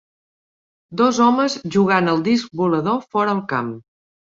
Dos homes jugant al disc volador fora al camp.